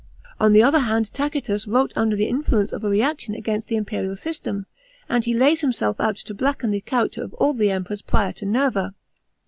On the other hand Tacitus wrote under the influence of a reaction against the imperial system, and he lays himself out to blacken the character of all the Emperors prior to Nerva.